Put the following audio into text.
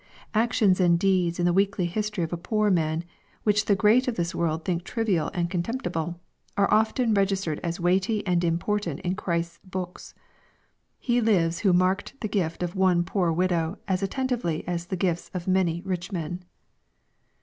Actions and deeds in the weekly history of a poor man, which the great of this world think trivial and contempt ible, are often registered as weighty and important in Christ's books. He lives who marked the gift of one "poor widow" as attentively as the gifts of many " rich men."